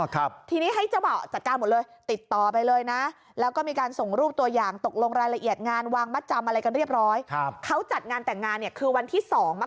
ถ้าที่ให้เห็นเนี่ยว่ามันโอเคไหม